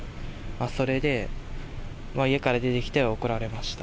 それで家から出てきて怒られました。